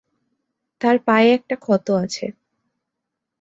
তার পায়ে একটা ক্ষত আছে।